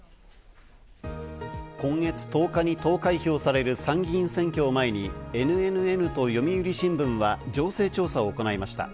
今月１０日に投開票される参院選挙を前にＮＮＮと読売新聞は情勢調査を行いました。